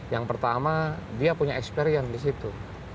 yang pertama dia punya experience di situ